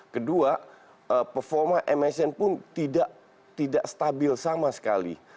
kedua performa msn pun tidak stabil sama sekali